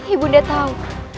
ibu nda tahu